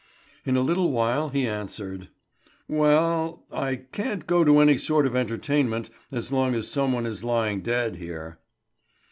In a little while he answered: "Well I can't go to any sort of entertainment as long as some one is lying dead here."